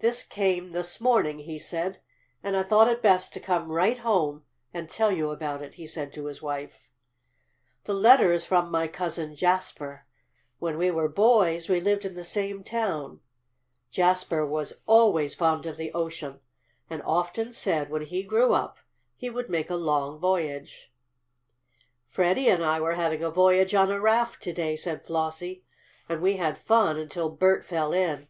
"This came this morning," he said, "and I thought it best to come right home and tell you about it," he said to his wife. "The letter is from my Cousin Jasper. When we were boys we lived in the same town. Jasper was always fond of the ocean, and often said, when he grew up, he would make a long voyage." "Freddie and I were having a voyage on a raft to day," said Flossie. "And we had fun until Bert fell in."